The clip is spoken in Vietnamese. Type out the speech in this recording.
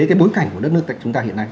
cái bối cảnh của đất nước chúng ta hiện nay